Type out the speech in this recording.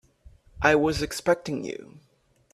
I was expecting you.